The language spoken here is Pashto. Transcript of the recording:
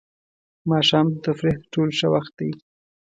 ماښام د تفریح تر ټولو ښه وخت دی.